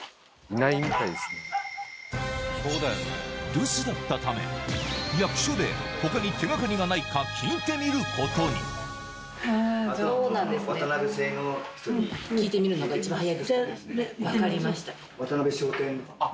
留守だったため役所で他に手がかりがないか聞いてみることに分かりました。